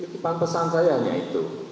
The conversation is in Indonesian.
itu depan pesan saya hanya itu